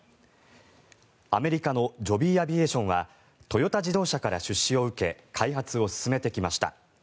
アメリカのジョビー・アビエーションはトヨタ自動車から出資を受け開発を進めてきました。